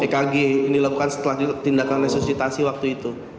tkg yang dilakukan setelah tindakan resusitasi waktu itu